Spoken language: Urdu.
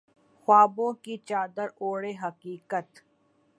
خوابوں کی چادر اوڑھے حقیقت